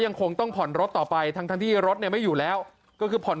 ยังคงต้องผ่อนรถต่อไปทั้งทั้งที่รถเนี่ยไม่อยู่แล้วก็คือผ่อน